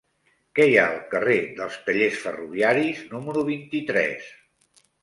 Què hi ha al carrer dels Tallers Ferroviaris número vint-i-tres?